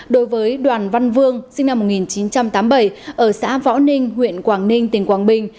đối với đoàn văn vương sinh năm một nghìn chín trăm tám mươi bảy ở xã võ ninh huyện quảng ninh tỉnh quảng bình